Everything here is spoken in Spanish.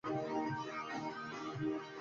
Tiene dos hermanas menores, Catherine y Caroline.